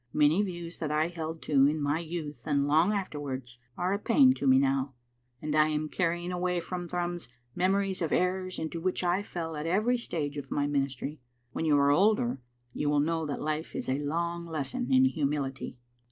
Many views that I held to in my youth and long after wards are a pain to me now, and I am carrying away from Thrums memories of errors into which I fell at every stage of my ministry. When you are older you will know that life is a long lesson in humility.